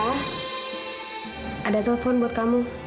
ada telepon buat kamu